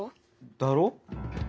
だろ？